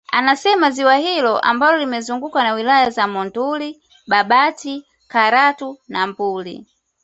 Anasema ziwa hilo ambalo limezungukwa na wilaya za Monduli Babati Karatu na Mbuli